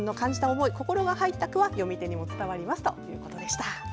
思い心が入った句は詠み手にも伝わりますということでした。